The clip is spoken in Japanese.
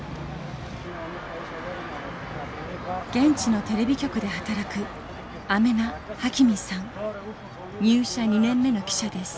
現地のテレビ局で働く入社２年目の記者です。